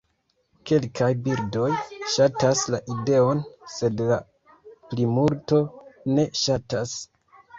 Kelkaj birdoj ŝatas la ideon, sed la plimulto ne ŝatas.